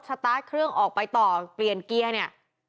สตาร์ทเครื่องออกไปต่อเปลี่ยนเกียร์เนี่ย